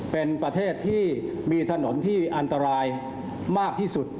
เป็นประเทศที่มีถนนที่อันตรายมากที่สุด